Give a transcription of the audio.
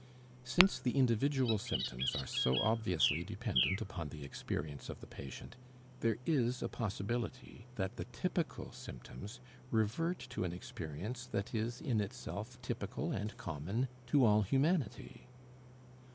Since the individual symptoms are so obviously dependent upon the experience of the patient, there is a possibility that the typical symptoms revert to an experience that is in itself typical and common to all humanity.